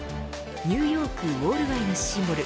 ニューヨークウォール街のシンボル